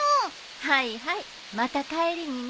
はいはいまた帰りにね。